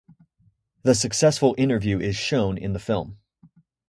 The successful interview is shown in the film.